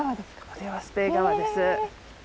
これがスペイ川です。